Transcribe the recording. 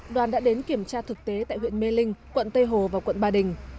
đoàn đã đến kiểm tra thực tế tại huyện mê linh quận tây hồ và quận ba đình